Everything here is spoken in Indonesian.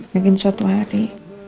mungkin suatu hari